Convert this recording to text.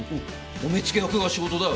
お目付け役が仕事だ。